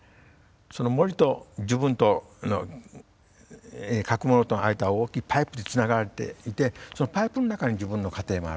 その森と自分と書くものとの間を大きいパイプでつながれていてそのパイプの中に自分の家庭もあると。